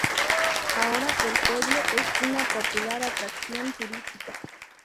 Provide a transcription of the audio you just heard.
Ahora el pueblo es una popular atracción turística.